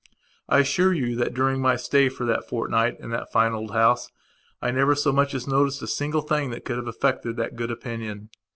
I assure you that during my stay for that fortnight in that fine old house, I never so much as noticed a single thing that could have affected that good opinion.